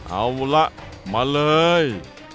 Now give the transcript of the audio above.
เอาละมาเลย